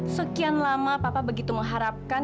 sekian lama papa begitu mengharapkan